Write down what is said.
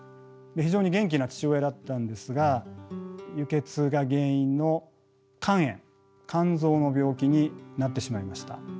非常に元気な父親だったんですが輸血が原因の肝炎肝臓の病気になってしまいました。